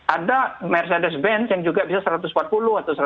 ada mercedes benz yang juga bisa satu ratus empat puluh atau satu ratus tiga puluh